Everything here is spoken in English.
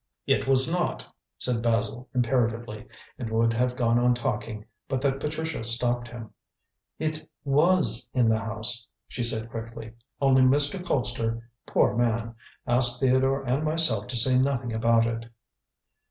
"It was not!" said Basil imperatively, and would have gone on talking, but that Patricia stopped him. "It was in the house," she said quickly, "only Mr. Colpster poor man! asked Theodore and myself to say nothing about it."